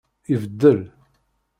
Ibeddel.